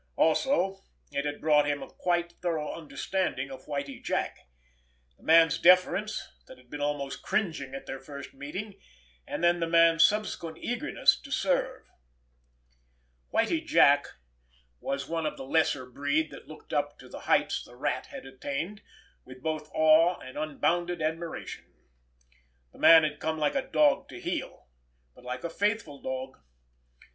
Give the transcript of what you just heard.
Also it had brought him a quite thorough understanding of Whitie Jack—the man's deference that had been almost cringing at their first meeting, and then the man's subsequent eagerness to serve. Whitie Jack was one of the lesser breed that looked up to the heights the Rat had attained with both awe and unbounded admiration. The man had come like a dog to heel, but like a faithful dog.